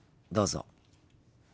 どうぞ。